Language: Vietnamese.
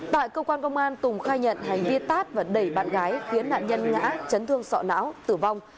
tại cơ quan công an tùng khai nhận hành vi tát và đẩy bạn gái khiến nạn nhân ngã chấn thương sọ não tử vong